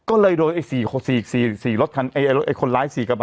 ก็เลยโดยไอ้สี่สี่สี่รถคันไอ้รถไอ้คนร้ายสี่กระบะ